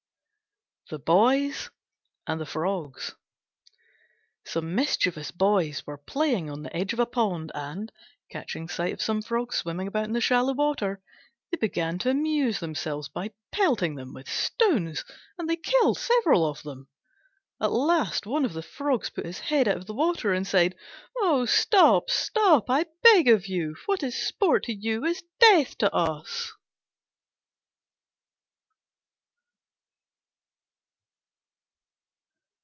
THE BOYS AND THE FROGS Some mischievous Boys were playing on the edge of a pond, and, catching sight of some Frogs swimming about in the shallow water, they began to amuse themselves by pelting them with stones, and they killed several of them. At last one of the Frogs put his head out of the water and said, "Oh, stop! stop! I beg of you: what is sport to you is death to us."